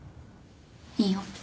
いいよ。